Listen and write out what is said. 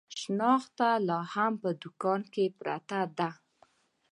شنخته لا هم په دوکان کې پرته ده.